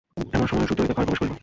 এমন সময় সুচরিতা ঘরে প্রবেশ করিল।